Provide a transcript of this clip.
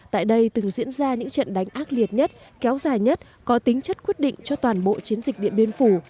tại đây từng diễn ra những trận đánh ác liệt nhất kéo dài nhất có tính chất quyết định cho toàn bộ chiến dịch điện biên phủ